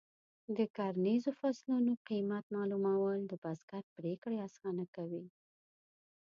د کرنیزو فصلونو د قیمت معلومول د بزګر پریکړې اسانه کوي.